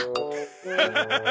ハハハハ！